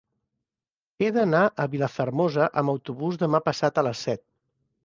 He d'anar a Vilafermosa amb autobús demà passat a les set.